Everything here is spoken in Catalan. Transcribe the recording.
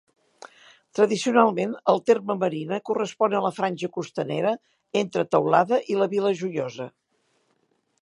Tradicionalment el terme Marina correspon a la franja costanera entre Teulada i la Vila Joiosa.